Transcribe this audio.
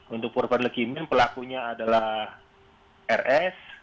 untuk korban legimin pelakunya adalah rs